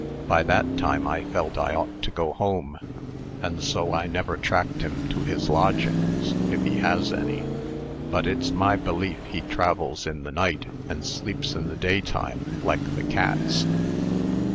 By that time I felt I ought to go home, and so I never tracked him to his lodgings, if he has any. But it's my belief he travels in the night, and sleeps in the daytime, like the cats."